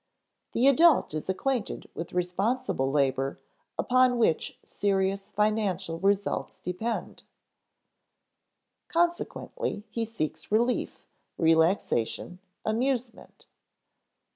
The adult is acquainted with responsible labor upon which serious financial results depend. Consequently he seeks relief, relaxation, amusement.